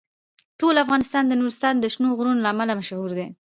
ټول افغانستان د نورستان د شنو غرونو له امله مشهور دی.